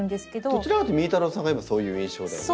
どちらかというとみーたろうさんが今そういう印象だよね。